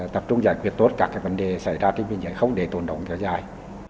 tập trung giải quyết tốt các vấn đề xảy ra trên biên giới không để tồn động cho ai